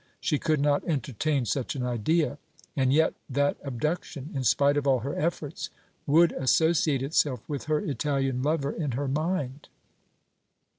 She could not entertain such an idea, and yet that abduction, in spite of all her efforts, would associate itself with her Italian lover in her mind.